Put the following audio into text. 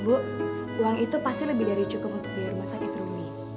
bu uang itu pasti lebih dari cukup untuk di rumah sakit rumi